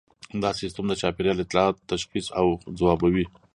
دا سیستم د چاپیریال اطلاعات تشخیص او ځوابوي